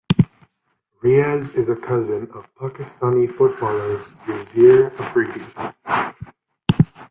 Riaz is a cousin of Pakistani footballer Yasir Afridi.